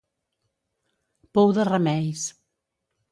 Pou de remeis.